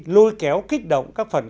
lôi kéo kích động các phần